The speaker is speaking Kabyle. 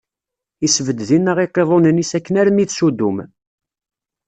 Isbedd dinna iqiḍunen-is, akken armi d Sudum.